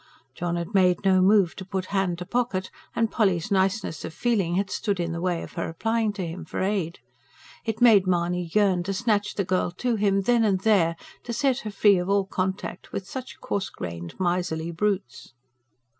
John had made no move to put hand to pocket; and Polly's niceness of feeling had stood in the way of her applying to him for aid. It made Mahony yearn to snatch the girl to him, then and there; to set her free of all contact with such coarse grained, miserly brutes.